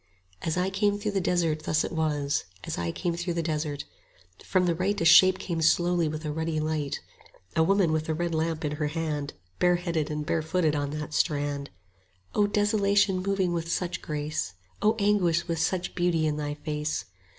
60 As I came through the desert thus it was, As I came through the desert: From the right A shape came slowly with a ruddy light; A woman with a red lamp in her hand, Bareheaded and barefooted on that strand; 65 O desolation moving with such grace! O anguish with such beauty in thy face!